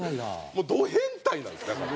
もうド変態なんですだから。